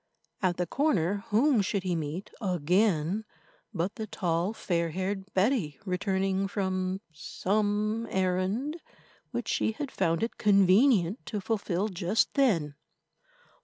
At the corner whom should he meet again but the tall, fair haired Betty, returning from some errand which she had found it convenient to fulfil just then.